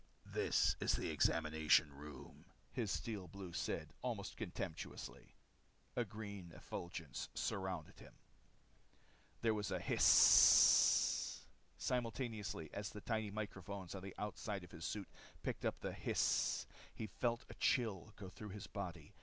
"This is the examination room," his Steel Blue said, almost contemptuously. A green effulgence surrounded him. There was a hiss. Simultaneously, as the tiny microphone on the outside of his suit picked up the hiss, he felt a chill go through his body.